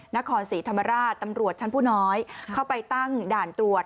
นครศรีธรรมราชตำรวจชั้นผู้น้อยเข้าไปตั้งด่านตรวจ